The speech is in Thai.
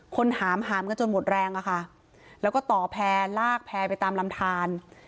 คนหามจนหมดแรงแล้วก็ต่อแพลลากไปตามลำทาน